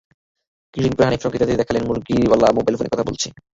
কিছুদিন পরে হানিফ সংকেত ইত্যাদিতে দেখালেন, মুরগিওয়ালা মোবাইল ফোনে কথা বলছে।